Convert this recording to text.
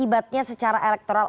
apa dampaknya secara elektoral